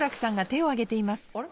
あれ？